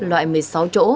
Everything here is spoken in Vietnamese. loại một mươi sáu chỗ